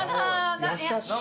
優しい。